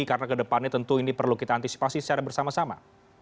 karena kedepannya tentu ini perlu kita antisipasi secara bersama sama